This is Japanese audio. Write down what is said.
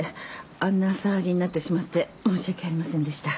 あんな騒ぎになってしまって申し訳ありませんでした。